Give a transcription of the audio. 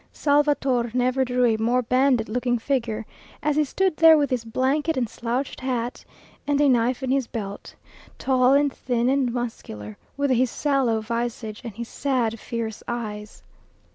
Salvator never drew a more bandit looking figure, as he stood there with his blanket and slouched hat, and a knife in his belt, tall and thin and muscular, with his sallow visage and his sad, fierce eyes.